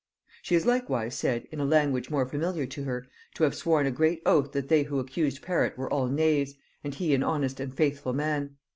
She is likewise said, in language more familiar to her, to have sworn a great oath that they who accused Perrot were all knaves, and he an honest and faithful man.